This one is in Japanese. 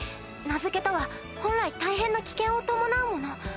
名付けとは本来大変な危険を伴うもの。